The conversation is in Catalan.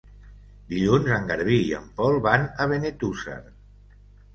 Dilluns en Garbí i en Pol van a Benetússer.